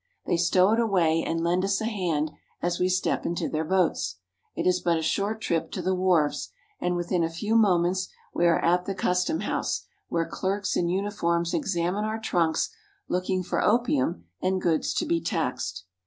They stow it away and lend us a hand as we step into their boats. It is but a short trip to the wharves ; and within a few moments we are at the customhouse, where clerks in uniform examine our trunks, looking for opium and goods to be taxed.